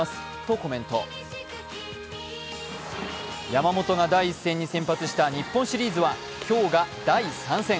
山本が第１戦に先発した日本シリーズは今日が第３戦。